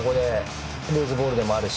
ルーズボールでもあるし。